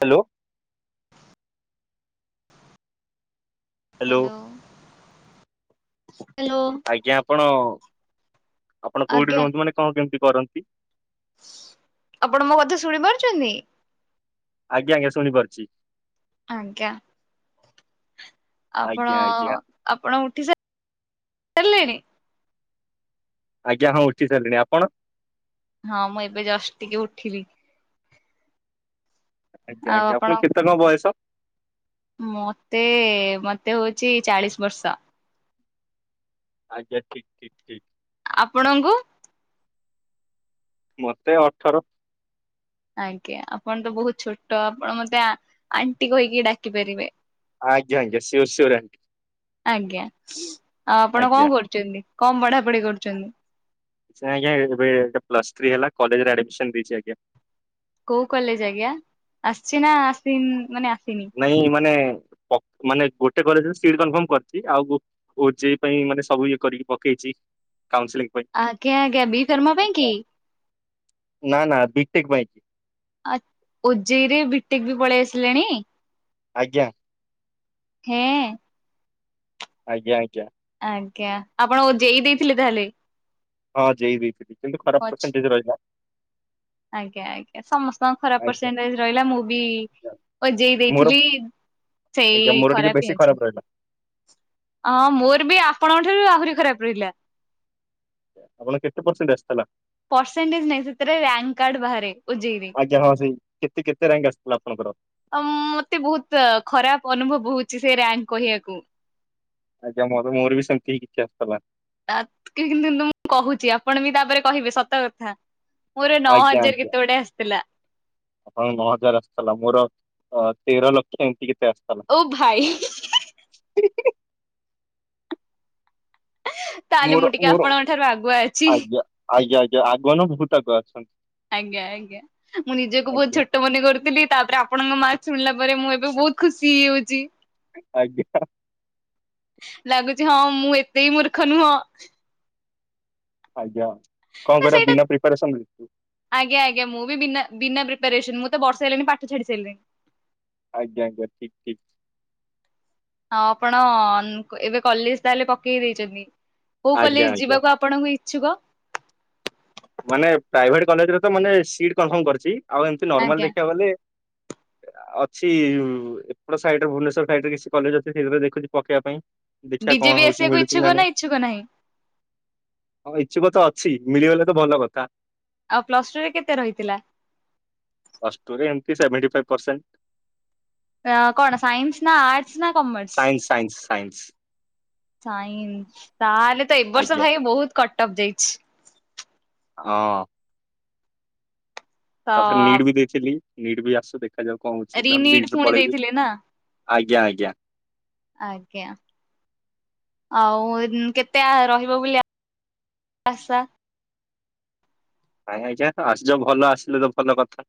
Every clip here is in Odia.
Hello. Hello hello hello hello. ଆଜ୍ଞା ଆପଣ ଆପଣ କୋଉଠି ଆଜ୍ଞା ରୁହନ୍ତୁ ମାନେ କଣ କେମିତି କରନ୍ତି? ଆପଣ ମୋ କଥା ଶୁଣି ପାରୁଛନ୍ତି? ଆଜ୍ଞା ଆଜ୍ଞା ଶୁଣିପାରୁଛି। ଆଜ୍ଞା। ଆପଣ ଆଜ୍ଞା ଆଜ୍ଞା ଆପଣ ଉଠି ସାର ସାରିଲେଣି? ଆଜ୍ଞା ହଁ ଉଠି ସାରିଲିଣି ଆପଣ? ହଁ ମୁଁ ଏବେ ଜଷ୍ଟ ଟିକେ ଉଠିଲି। ଆଜ୍ଞା ଆଜ୍ଞା ଆପଣ କେତେ କଣ ବୟସ? ମତେ ମତେ ହଉଛି ଚାଳିଶ ବର୍ଷ। ଆଜ୍ଞା ଠିକ ଠିକ ଠିକ। ଆପଣଙ୍କୁ? ମତେ ଅଠର। ଆଜ୍ଞା ଆପଣ ତ ବହୁତ ଛୋଟ ଆପଣ ମତେ ଆଣ୍ଟି କ ହେଇକି ଡାକି ପାରିବେ। ଆଜ୍ଞା ଆଜ୍ଞା ସିଓର ସିଓର ଆଣ୍ଟି ଆଜ୍ଞା ଆଉ ଆପଣ ଆଜ୍ଞା। କଣ କରୁଛନ୍ତି? କମ ପଢା ପଢି କରୁଛନ୍ତି? ଆଜ୍ ଏ ପ୍ଲସ୍ ଥ୍ରୀ ହେଲା କଲେଜରେ ଆଡମିସନ ଦେଇଛି ଆଜ୍ଞା। କୋଉ କଲେ ଆଜ୍ଞା ଆସିଛି ନା ଆସିନ ମାନେ ଆସିନି? ନାଇଁ ମାନେ ମାନେ ଗୋଟେ କଲେଜ ସିଟ କଫର୍ମ କରିଛି ଆଉ ଓ ଯ ପାଇଁ ମାନେ ସବୁ ଇଏ କରିକି ପକେଇଛି କାଉସ ଆଜ୍ଞା ଆଜ୍ଞା ବି ଫର୍ମା ପାଇଁ କି? ନା ନା ବିକଟେକ ପାଇଁ। ଆ ଉଜେଇ ରେ ବିଟେକ ବି ପଳେଇ ଆସିଲେଣି? ଆଜ୍ଞା। ହଁ। ଆଜ୍ଞା ଆଜ୍ଞା। ଆଜ୍ଞା ଆପଣ ଯେଇ ଦେଇଥିଲେ ତାହେଲେ? ହଁ ଜେଇ କିନ୍ତୁ ଖରାପ ଅଛି ପର୍ସେଣ୍ଟ ଜ୍ ରହିଲା। ଆଜ୍ଞା ଆଜ୍ଞା ସମସ୍ତଙ୍କ ଖରାପ ଆଜ୍ଞା ପରସେଣ୍ଟେଜ ରହିଲା ମୁଁ ବି ଆଜ୍ଞା। ବଜେଇ ମୋର ଦେଇଥିଲି। ଆଜ୍ଞା ସେଇ ମୋର ଟିକେ ଖରାପ ବେଶୀ ଅଛି। ରହିଲା। ହଁ ମୋର ବି ଆପଣଙ୍କ ଠାରୁ ଆହୁରି ଖରାପ ରହିଲା। ଆପଣ କେତେ ପରସେଣ୍ଟ ଆସିଥିଲା? ପରସେଣ୍ଟେଜ ନାହିଁ ସେଥିରେ ରଙ୍କ କାର୍ଡ ବାହାରେ ଓଜେଇରେ। ଆଜ୍ଞା ହଁ ସେଇ କେତେ କେତେ ରାଙ୍କ ଆସିଥିଲା ଆପଣଙ୍କର? ମତେ ବହୁତ ଖରାପ ଅନୁଭବ ହଉଛି ସେ ରଙ୍କ କହିବାକୁ। ଆଜ୍ଞା ମୋର ମୋର ବି ସେମତି ହି କିଛି ଆସିଥିଲା। ତା କିନ୍ତୁୁ ମୁଁ କହୁଛି ଆପଣ ବି ତାପରେ କହିବେ ସତ କଥା ମୋର ନଅ ଆଜ୍ଞା ହଜାର କେତେ ବଡେ ଆସିଥିଲା। ହଁ ନଅ ହଜାର ଆସିଥିଲା ମୋର ତେର ଲକ୍ଷ ଏମିତି କେତେ ଆସିଥ ଓ ଭାଇ [unintelligible] ତାହେଲେ ମୋର ମୁଁ ଟିକେ ମୋର ଆପଣଙ୍କ ଠାରୁ ଆଗୁଆ ଅଛି। ଆଜ୍ଞା ଆଜ୍ଞା ଆଜ୍ଞା ଆଗନ ବହୁତ ଆଗ ଅଛନ୍ତି। ଆଜ୍ଞା ଆଜ୍ଞା ମୁଁ ନିଜକୁ ବହୁତ ଆଜ୍ଞା ଛୋଟ ମନେ କରୁଥିଲି। ତାପରେ ଆପ୍ ଆପଣଙ୍କ ମାକ୍ ଶୁଣିଲା ପରେ ମୁଁ ଏବେ ବହୁତ ଖୁସି ହେଇଯାଉଛି। ଆଜ୍ଞା। ଲାଗୁଛି ହଁ ମୁଁ ଏତେ ମୂର୍ଖ ନୁହଁ। ଆଜ୍ଞା ତ କଣ କରିବା ସେଇଟା ବିନା ପ୍ରିପାରେସନ ରେ। ଆଜ୍ଞା ଆଜ୍ଞ ମୁଁ ବିନା ବିନା ପ୍ରିପାରେସନ। ମୁଁ ତ ବର୍ଷ ହେଲିଣି ପାଠ ଛାଡି ସାରିଲିନି। ଆଜ୍ଞା ଆଜ୍ଞା ଠିକ୍ ଠିକ୍। ହଁ ଆପଣ ଏବେ କଲେଜ ତାହେଲେ ପକେଇ ଦେଇଛନ୍ତି। କୋଉ ଆଜ୍ଞା କଲେଜ ଆଜ୍ଞା। ଯିବାକୁ ଆପ୍ ଆପଣଙ୍କୁ ଇଛୁକ। ମାନେ ପ୍ରାଇଭେଟ କଲେଜରେ ତ ମାନେ ସିଟ କନଫର୍ମ କରିଛି। ଆଉ ଏମତି ନର୍ମାଲ ଆଜ୍ଞା ଦେଖିବାକୁ ଗଲେ ଅଛି ଏପଟ ସାଇଡରେ ଭୁବନେଶ୍ର ସାଇଡରେ କିଛି କଲେଜ ଅଛି ସେଇଥିାଇ ଦେୁଛି ପକେଇବା ପାଇଁ। ଦେଖା କଣ ବିଜେପି ହଉଛି ଆସିବାକୁ ମିଳୁଛି କି ଇଚ୍ଛୁକ ନା ନାଇଁ। ଇଚ୍ଛୁକ ନାହିଁ? ହଁ ଇଚ୍ଛୁକ ତ ଅଛି। ମିଳିଗଲେ ତ ଭଲ କଥା। ଆଉ ପ୍ଲସ ଟୁ ରେ କେତେ ରହିଥିଲା। ଅ ଏମତି ସେଭେନ୍ଟ୍ଣ୍ ଫାଇବ୍ ପରସେଣ୍ଟ୍। କଣ ଆ ସାଇନ୍ସ ନା ଆର୍ଟସ୍ ନା commerce? Science science science. Science. ତାହେଲେ ତ ଏବ ବର୍ଷ ଆଜ୍ଞା ଭାଇ ବହୁତ କଟ ଅଫ୍ ଯାଇଛି। ହଁ। ତ ତାପରେ ନିଟ୍ ବି ଦେଇଥିଲି। ନିଟ୍ ବି ଆସୁ ଦେଖାଯାଉ କଣ ହଉଛି? ରିନିଟ୍ ନହଲେରେ ପୁଣି ପଳେଇବି। ଦେଇଥିଲେ ନା ଆଜ୍ଞା ଆଜ୍ଞା। ଆଜ୍ଞା। ଆଉ କେତେ ରହିବ ବୋଲି ଆସା? ଆଜ୍ଞା ଆଜ୍ଞା ଆସଛ ଭଲ ଆସିଲେ ତ ଭଲ କଥା।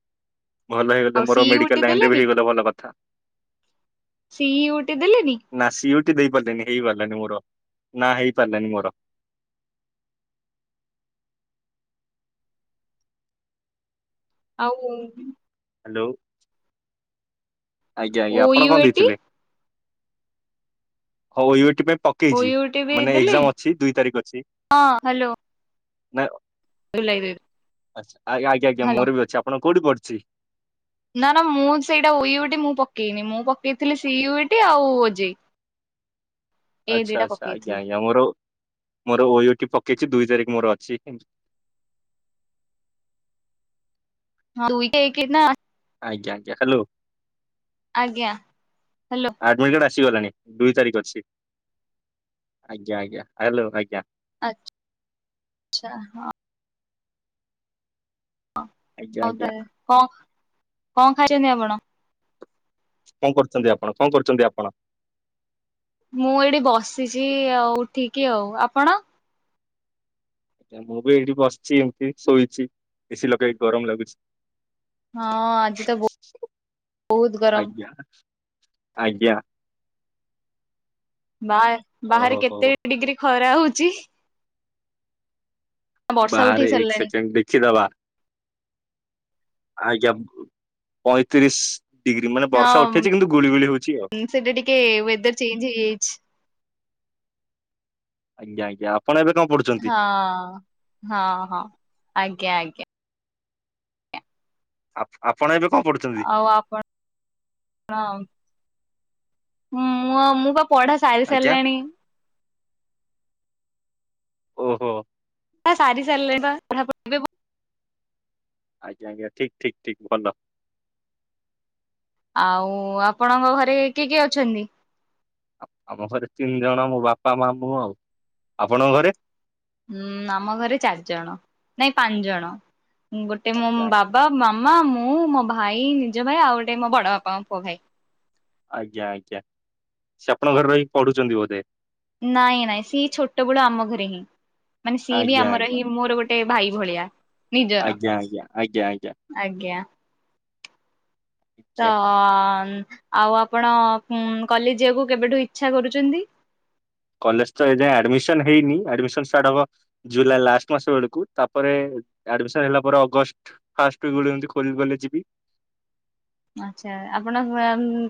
ଭଲ ଆଉ ହେଇଗଲେ ମୋର ସିଇ ଉଟି ମେଡିକାଲ ଲାଇନରେ ଦେଲେନି ବି ହେଇଗଲେ ଭଲ କଥା। ସି ଉଠେ ଦେଲେନି। ନା ସିଟି ଦେଇ ପାରିଲାନି ହେଇପାରିଲାନି। ମୋର ନା ହେଇ ପାରିଲାନି ମୋର। ଆଉ ହ୍ୟାଲୋ। ଆଜ୍ଞା ଆଜ୍ା ଓ ଆପଣ ୟୁ କଣ ଏଟି ଦେଇଥିଲେ। ହଉ ଉଇଟି ପାଇଁ ପକ୍ ଓ ପକେଇଛି। ୟୁ ଟି ବି ମାନେ ଦେଲେନି ଏଜାମ ଅଛି। ଦୁଇ ତାରିଖ ଅଛି ହଁ ନା ର ଲ [unintelligible] ଆଛା ଆଜ୍ଞା ଆଜ୍ଞା ମୋର ବି ଅଛି। ଆପଣ କୋଉଠି ପଢୁଛି? ନା ନା ମୁଁ ସେଇଟା ଇଟି ମୁଁ ପକେଇନି। ମୁଁ ପକେଇଥିଲି ସି ଇଟି ଆଉ ଓଜେଇ। ଏଇ ଆଚ୍ଛା ଦିଟା ଆଚ୍ଛା ଆଜ୍ଞା ପକେଇଥିଲି ଆଜ୍ଞା। ମୋର ମୋର ଓଟି ପକେଇଛି। ଦୁଇ ତାରିଖ ମୋର ଅଛି। ହଉ [unintelligible] ଆଜ୍ଞା ଆଜ୍ଞା। ହ୍ୟାଲୋ। ଆଜ୍ଞା। ହ୍ୟାଲୋ। ଆଡ଼ମିଟ କାର୍ଡ଼ ଆସିଗଲାଣି। ଦୁଇ ତାରିଖ ଅଛି। ଆଜ୍ଞା ଆଜ୍ଞା। ହ୍ୟାଲୋ। ଆଜ୍ଞା। ଆଚ୍ ଆଚ୍ଛା। ହଁ। ହଁ ଆଜ୍ଞା ହଉ ଆଜ୍ଞା ତାହେଲେ। କଣ କଣ ଖାଇଛନ୍ତି ଆପଣ?? କଣ କରୁଛନ୍ତି? ଆପଣ କଣ କରୁଛନ୍ତି ଆପଣ? ମୁଁ ଏଇଠି ବସିଛି। ଆଉ ଉଠିକି ଆଉ ଆପଣ। ଏା ମୁଁ ବି ଏଇଠି ବସିଛି। ଏମିତି ଶୋଇଛି। ଏଶୀ ଲଗେଇକି ଏଇଠି ଗରମ ଲାଗୁଛି। ହଁ ଆଜି ତ ବହୁତ ଗରମ। ଆଜ୍ଞା ଆଜ୍ଞା। ବା ବାହାରେ ଓହୋ ହୋ କେତେ ହୋ। ଡିଗ୍ରୀ ଖରା ହଉଛି? ବର୍ଷା ଉଠେଇ ବାହାରେ ଏକ ସାରିଲାଣି ସେକେଣ୍ଡ ଦେଖିଦବା। ଆଜ୍ଞା ପଇଁତିରିଶ ଡିଗ୍ରୀ ମାନେ ବର୍ଷା ଉଠେଇଛି କିନ୍ତୁ ଗୁଳିଗୁଳି ହଉଛି ଆଉ। ସେଟି ଟିକେ ୱେଦର ଚେଞ୍ଜ ହେଇଯାଇଛି। ଆଜ୍ଞା ଆଜ୍ଞା ଆପଣ ଏବେ କଣ ପଢୁ ହଁ ହଁ ହଁ ଆଜ୍ଞା ଆଜ୍ଞା। ଆପ ଆପ ଆପଣ ଏବେ କଣ ପଢୁଛନ୍ତି? ଆଉ ଆପ ଣ ମୁଁ ଆଉ ମୁଁ ପା ପଢା ସାରି ଆଜ୍ଞା ସାରିଲିଣି। ଓହୋ। ପଢ଼ା ସାରି ସାରିଲିଣିପା ପଢାପ ଆଜ୍ଞା ଆଜ୍ଞା ଠିକ୍ ଠିକ୍ ଠିକ୍ ଭଲ। ଆଉ ଆପଣଙ୍କ ଘରେ କିଏ କିଏ ଅଛନ୍ତି? ଆ ଆମ ଘରେ ତିନି ଜଣ ମୋ ବାପା, ମାଆ, ମୁଁ ଆଉ। ଆପଣଙ୍କ ଘରେ? ଉଁ ଆମ ଘରେ ଚାରିଜଣ ନାଇଁ ପାଞ୍ଚ ଜଣ ଗୋଟେ ମୋ ଆଜ୍ଞା ଆଜ୍ଞା ବାବା ମାମା, ମୁଁ, ମୋ ଭାଇ ନିଜ ଭାଇ ଆଉ ଗୋଟେ ମୋ ବଡ ବାପାଙ୍କ ପୁଅ ଭାଇ। ଆଜ୍ଞା ଆଜ୍ଞା ସେ ଆପଣଙ୍କ ଘରେ ରହିି ପଢୁଛନ୍ତି ବୋଧେ? ନାଇଁ ନାଇଁ ସିଏ ଛୋଟ ବଳୁ ଆମ ଘରେ ହିଁ ମାନେ ସିଏ ବି ଆଜ୍ଞା ଆମର ଆଜ୍ଞା ହିଁ ମୋର ଗୋ ଏ ଭାଇ ଭଳିଆ। ନିଜର ଆଜ୍ଞ ଆଜ୍ଞା ଆଜ୍ଞା ଆଜ୍ଞା। ଆଜ୍ଞା। ତ ଆଜ୍ଞା ଆଉ ଆପଣ କଲେଜ୍ ଯିବାକୁ କେବେଠୁ ଇଚ୍ଛା କରୁଛନ୍ତି? କଲେଜ୍ ତ ଏଯାଁଏ ଆଡମିସନ ହେଇନି। ଆଡମିସନ ଷ୍ଟାର୍ଟ ହବ ଜୁଲାଇ ଲାଷ୍ଟ ମାସ ବେଳକୁ ତାପରେ ଆଡମିସନ ହେଲା ପରେ ଅଗଷ୍ଟ ଫାଷ୍ଟ ଉଇ କ୍ ବଳୁ ଏମିତି ଖୋଲି ଖୋଲି ଯିବି। ଆଚ୍ଛା ଆପଣ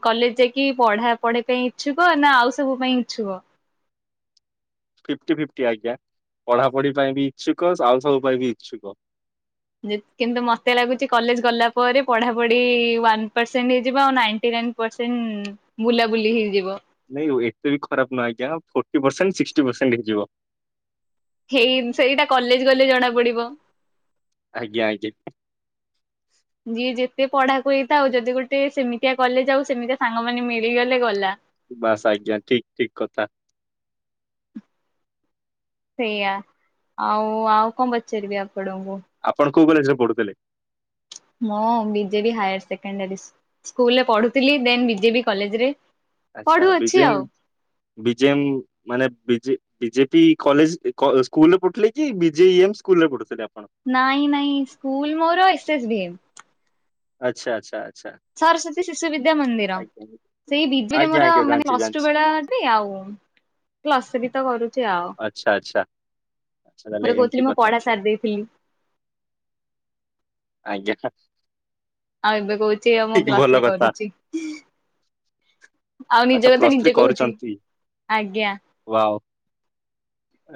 କଲେଜ୍ ଯାଇକି ପଢା ପଢି ପାଇଁ ଇଚ୍ଛୁକ ନା ଆଉ ସବୁ ପାଇଁ ଇଚ୍ଛୁକ? ଫିପ୍ଟି ଫିପ୍ଟି ଆଜ୍ଞା ପଢା ପଢି ପାଇଁ ବି ଇଛୁକ ଆଉ ସବୁ ପାଇଁ ବି ଇଚ୍ଛୁକ। ଜି କିନ୍ତୁ ମତେ ଲାଗୁଛି କଲେଜ ଗଲା ପରେ ପଢାପଢି ୱାନ୍ ପରସେଣ୍ଟ ହେଇଯିବ ଆଉ ନାଇଣ୍ଟି ନାଇନ୍ ପରସେଣ୍ଟ ବୁଲାବୁଲି ହେଇଯିବ।। ନାଇଁ ଏତେ ବି ଖରାପ୍ ନାହିଁ ଆଜ୍ଞା ଫୋର୍ଟି ପରସେଣ୍ଟ ସିକ୍ସଟି ପରସେଣ୍ଟ ହେଇଯିବ। ହେଇନ ସେଇଟା କଲେଜ୍ ଗଲେ ଜଣା ପଡିବ। ଆଜ୍ଞା ଆଜ୍ଞା। ଯିଏ ଯେତେ ପଢାକୁ ହେଇଥାଉ ଯଦି ଗୋଟେ ସେମିତିଆ କଲେଜ ଆଉ ସେମିତିଆ ସାଙ୍ଗ ମାନେ ମିଳିଗଲେ ଗଲା। ବାସ୍ ଆଜ୍ଞା ଠିକ୍ ଠିକ୍ କଥା। ସେଇଆ ଆଉ ଆଉ କଣ ପଚାରିବି ଆପଣଙ୍କୁ? ଆପଣ କୋଉ କଲେଜ୍ ରେ ପଢୁଥିଲେ? ମୁଁ ବିଜେବି ହାଇଅର ସେକଣ୍ଡାରୀ ସ୍କୁ ସ୍କୁଲରେ ପଢୁଥିଲି ଦେନ ବିଜେଡି କଲେଜରେ ଆଚ୍ଛା ପଢୁଅଛି ବିଜେ ମ ଆଉ। ବିଜେ ମ ମାନେ ବିଯେ ବିଜେପି କଲେଜ୍ କ ସ୍କୁଲରେ ପଢୁଥିଲେ କି ବିଜେ ଇ ଏମ୍ ସ୍କୁଲ ରେ ପଢୁଥିଲେ ଆପଣ? ନାଇଁ ନାଇଁ ସ୍କୁଲ୍ ମୋର ଏସ୍ ଏସ ଭି ଏମ୍। ଆଚ୍ଛା ଆଚ୍ଛା ଆଚ୍ଛା। ସରସ୍ଵତୀ ଶିଶୁବଦ୍ୟା ମନ୍ଦିର। ଆଜ୍ଞା ସେଇ ବିଜିରେ ଆଜ୍ଞା ମୋର ଆଜ୍ଞା ମାନେ ଜାଣିଛି ଅଷ୍ଟୁ ଜାଣିଛି ବେଳା ବି ଆଉ କ୍ଲସ ବି ତ କରୁଛି ଆଉ। ଆଚ୍ଛା ଆଚ୍ଛା। ଆଚ୍ଛା ତାହେଲେ ମୋରେ ଏମିତି କହୁଥିଲି ମୁଁ କଥା ପଢା ସାରି ଦେଇଥିଲି। ଆଜ୍ଞା। ଆଉ ଏବେ କହୁଛି ଆଉ ମୁଁ ଠିକ୍ ଭଲ ପ୍ଲସଥ୍ରୀ କଥା କରୁଛି। ଆଉ ଆଚ୍ଛା ନିଜ କଥା ପ୍ଲସ୍ ଥ୍ରୀ ନିଜେ କହୁଛି କରୁଛନ୍ତି। ଆଜ୍ଞା। ୱାଓ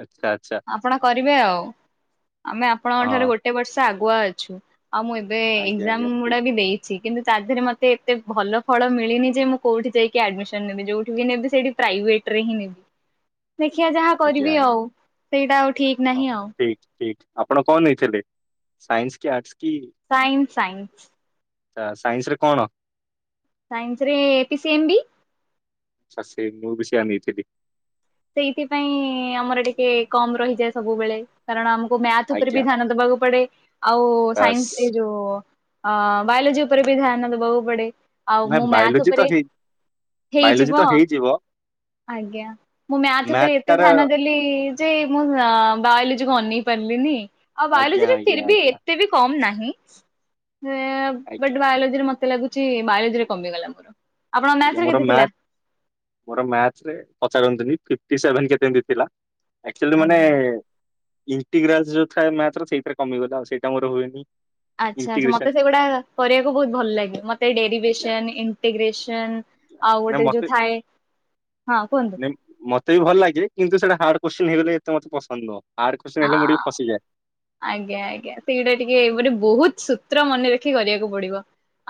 ଆଛା ଆଚ୍ଛା। ଆପଣ କରିବେ ଆଉ ଆମେ ଆପଣଙ୍କ ଠାରୁ ହଁ ଗୋଟେ ବର୍ଷ ଆଗୁଆ ଅଛୁ ଆଉ ମୁଁ ଏବ ଏବେ ଆଜ୍ଞା ଏକଜାମ୍ ଆଜ୍ଞା ଗୁଡା ଠିକ୍ ବି ଦେଇ କିନ୍ତୁ ତା ଦେହରେ ମୋତେ ଏତେ ଭଲ ଫଳ ମିଳିନି ଯେ ମୁଁ କୋଉଠି ଯାଇକି ଆଡମିସନ ନେବି ଯୋଉଠି ବି ନେବି ସେଇଠି ପ୍ରାଇଭେଟରେ ହିଁ ନେବି। ଦେଖିବା ଯାହା ଆଜ୍ଞା କରିବି ଆଉ ସେଇଟା ଆଉ ଠିକ ନାହିଁ ଆଉ ଠିକ ଠିକ ଆପଣ କଣ ନେଇଥିଲେ ସାଇନ୍ସ କି ଆର୍ଟସ୍ କି ସାଇନ୍ସ ସାଇନ୍ସ ଆ ସାଇନ୍ସ ରେ କଣ? ସାଇନ୍ସ ରେ ପି ସି ଏମ୍ ବି ଆଛା ସେ ମୁଁ ବି ସେଇଆ ନେଇଥିଲି ସେଇଥିପାଇଁ ଆମର ଟିକେ କମ ରହିଯାଏ ସବୁବେଳେ କାରଣ ଆମକୁ ମ୍ୟାଥ ଉପରେ ଆଜ୍ଞା ବି ଧ୍ୟାନ ଦବାକୁ ପଡେ ଆଉ ବାସ୍। ସାଇନ୍ସରେ ଯୋଉ ଅ ବାୟୋଲଜି ଉପରେ ବି ଧ୍ୟାନ ଦେବାକୁ ପଡ଼େ ଆଉ ନା ମୁଁ ମ୍ୟାଥ ବାୟୋଲୋଜି ଉପରେ ତ ହେଇ ବାୟୋଲୋଜି ତ ହେଇଯିବ ଆଜ୍ଞା ମୁଁ ମ୍ୟାଥ ଉପରେ ଏତେ ଧ୍ୟାନ ଦେଲି ଯେ ମୁଁ ବାଇଓଲୋଜି କୁ ଅନେଇ ପାରିଲିନି ଆଉ ଆଜ୍ଞା ବାୟୋଲୋଜିର ଆଜ୍ଞା ଫେରବି ଆଜ୍ଞା। ଏତେ ବି କମ୍ ନାହିଁ ଆଜ୍ଞା ବଟ୍ ବାୟୋଲୋଜିରେ ମତେ ଲାଗୁଛି ବାୟୋଲୋଜୀ ରେ କମିଗଲା ଆପଣଙ୍କ ଆଜ୍ଞା ମ୍ୟାଥରେ ମୋର କେତେ ଥିଲା ମ୍ୟାଥ ମୋର ମ୍ୟାଥ ରେ ପଚାରୁନ୍ତନି ଫିଫ୍ଟୀ ସେଭେନ କେତେ ଏମିତି ଥିଲା ଆକଚୁଲି ମାନେ ଆଜ୍ଞା ଇଣ୍ଟିଗ୍ରାନସ୍ ଯୋଉ ଥାଏ ମ୍ୟାଥର ସେଇଟାରେ କମିଗଲା ଆଉ ସେଇଟା ମୋର ହୁଏନି ଆଚ୍ଛା ଆଚ୍ଛା ମୋତେ ଇଣ୍ଟିଗ୍ରେସନ ସେଗୁଡା କରିବାକୁ ବହୁତ ଭଲ ଲାଗେ ମତେ ଆଜ୍ଞା ଡେରିିବେସନ ଇଣ୍ଟିଗ୍ରେସନ ଆଉ ନା ଗୋଟେ ମତେ ଯୋଉ ଥାଏ ହଁ କୁହହନ୍ତୁ ମୋତେ ବି ଭଲ ଲାଗେ କିନ୍ତୁ ସେଟା ହାର୍ଡ କୋଶ୍ଚିନ ହେଇଗଲେ ଏତେ ମତେ ପସନ୍ଦ ନୁହଁ ହାଡ୍ କୋଶ୍ଚିନ ଆ ହେଲେ ମୁଁ ଟିକେ ଫସିଯଏ ଆଜ୍ଞା ଆଜ୍ଞା ସେଇଟା ଟିକେ ମାନେ ବହୁତ ସୂତ୍ର ମନେ ରଖି କରିବାକୁ ପଡିବ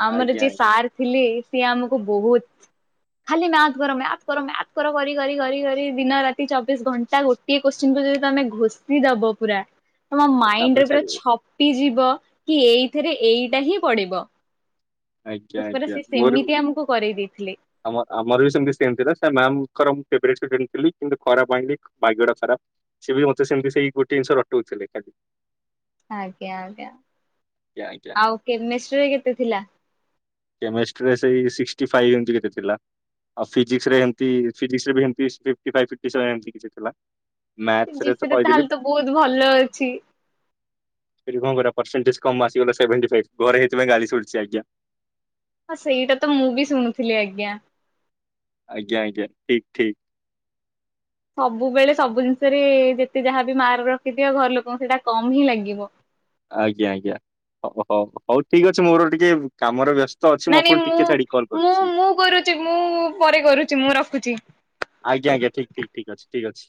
ଆମର ଆଜ୍ଞା ଯିଏ ଆଜ୍ଞା ସାର୍ ଥିଲି ସିଏ ଆମକୁ ବହୁତ ଖାଲି ମ୍ୟାଥ କର ମ୍ୟାଥ କର ମ୍ୟାଥ କର କରି କରି କରି ଦିନ ରାତି ଚବିଶ ଘଣ୍ଟା ଗୋଟଏ କୋଶ୍ଚିନ୍କୁୁ ଯଦି ତମେ ଘୋଷି ଦବ ପୁରା ତମ ତାପରେ ମାଇଣ୍ଡରେ ପୁରା ଛାଡିବେ। ଛପିଯିବ କି ଏଇଥିରେ ଏଇଟା ହିଁ ପଡିବ ଆଜ୍ଞା ସତରେ ଆଜ୍ଞା ସେ ମୋର ସେମିତି ଆମକୁ କରେଇ ଦେଇେଇଥିଲେ ଆମର ବି ସେମିତି ସେମ ଥିଲା ସେ ମାମଙ୍କର ଫେଭରାଇଟ ଷ୍ଟୁଡେଣ୍ଟ ଥିଲି କିନ୍ତ ଖରାପ ମାଇଣ୍ଡ ଭାଗ୍ୟଟା ଖରାପ ସେ ବି ମତେ ସେମିତି ସେଇ ଗୋଟେ ଜିନିଷ ରଟଉ ଥିଲେ ଖାଲି ଆଜ୍ଞା ଆଜ୍ଞା ଆଇଜ୍ଞା ଆଉ କେମିଷ୍ଟ୍ରୀ ରେ କେତେ ଥିଲା? କେମେଷ୍ଟିରେ ସେଇ ସିକ୍ସଟି ଫାଇଭ୍ ଏମିତି କେତେ ଥିଲା ଆଉ ଫିଜିକ୍ସରେ ଏମତି ଫିଜିକ୍ସରେ ଫିଫ୍ଟି ଫାଇଭ ଫିଫ୍ଟ ସେଭେନ ଏମିତି ଥିଲା ମ୍ୟାଥ୍ସରେ ତ ଫିଜିକ୍ସରେ କହିଦେଲି ତାହେଲେ ତ ବହୁତ ଭଲ ଅଛି କଣ କରିବା ପର୍ସେଣ୍ଟେଜ୍ କମ୍ ଆସିଗଲା ସେଭେଣ୍ଟୀ ଫାଇଭ ଘରେ ସେଥିପାଇଁ ଗାଳି ଶୁଣୁଛି ଆଜ୍ଞା ହଁ ସେଇଟା ତ ମୁଁ ବି ଶୁଣୁଥିଲି ଆଜ୍ଞା ଆଜ୍ଞା ଆଜ୍ଞା ଠିକ ଠିକ ସବୁବେଳେ ସବୁ ଜିନିଷରେ ଯେତେ ଯାହାବି ମାର୍କ ରଖିଦିଅ ଘର ଲୋକଙ୍କୁ ସେଇଟା କମ ହିଁ ଲାଗିବ ଆଜ୍ଞା ଆଜ୍ଞା ହଉ ହଉ ଠିକ ଅଛି ମୋର ଟିକେ କାମରେ ବ୍ୟସ୍ତ ଅଛି ନାଇଁ ଆପଣଙ୍କୁ ନାଇଁ ମୁଁ ଟିକେ ଛାଡିକି କଲ୍ ମୁଁ କରୁଛି। ମୁଁ କରୁଛି ମୁଁ ପରେ କରୁଛି ମୁଁ ରଖୁଛି ଆଜ୍ଞ ଆଜ୍ଞା ଠିକ ଠିକ ଠିକ ଅଛି ଠିକ ଅଛି